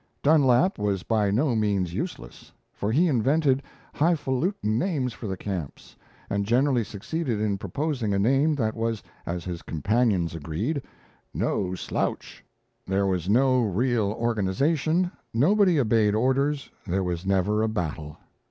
Dunlap was by no means useless; for he invented hifalutin names for the camps, and generally succeeded in proposing a name that was, as his companions agreed, "no slouch." There was no real organization, nobody obeyed orders, there was never a battle.